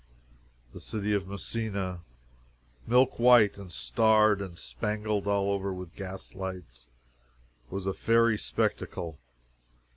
The city of Messina, milk white, and starred and spangled all over with gaslights, was a fairy spectacle.